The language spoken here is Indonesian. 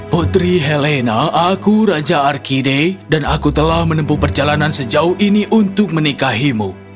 putri helena aku raja arkide dan aku telah menempuh perjalanan sejauh ini untuk menikahimu